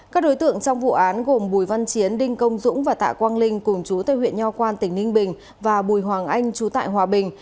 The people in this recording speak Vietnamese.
các đối tượng trong vụ án gồm bùi văn chiến đinh công dũng và tạ quang linh cùng chú tây huyện nho quan tỉnh ninh bình và bùi hoàng anh chú tại hòa bình